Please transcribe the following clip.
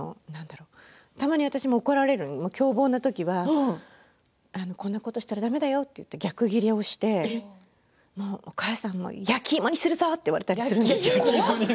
たまに私も怒られる凶暴なときにはこんなことをしたらだめだよって逆ギレをしてもう、お母さん焼き芋にするぞ！って言われたりするんですよ。